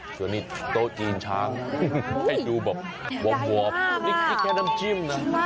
ส่วนนี้โต๊ะจีนช้างให้ดูแบบวมนี่คิดแค่น้ำจิ้มนะ